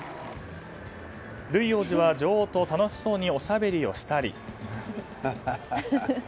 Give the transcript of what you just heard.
ルイ王子は女王と楽しそうにおしゃべりをしたり。